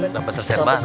dapat resep baru